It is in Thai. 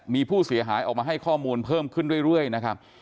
มีผู้เสียหายออกมาให้ข้อมูลเพิ่มขึ้นเรื่อยนะครับ